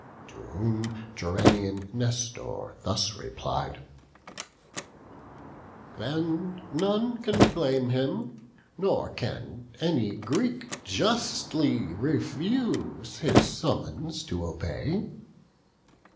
To whom Gerenian Nestor thus replied; "Then none can blame him; nor can any Greek Justly refuse his summons to obey."